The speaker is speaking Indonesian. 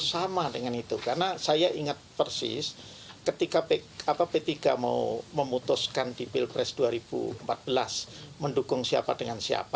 sama dengan itu karena saya ingat persis ketika p tiga mau memutuskan di pilpres dua ribu empat belas mendukung siapa dengan siapa